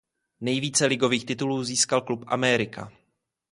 Nejvíce ligových titulů získal Club América.